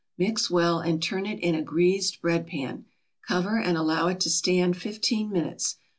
Mix well, and turn it in a greased bread pan. Cover, and allow it to stand fifteen minutes.